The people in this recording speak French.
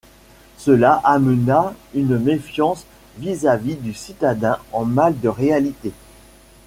Cela amena une méfiance vis-à-vis du citadin en mal de réalité.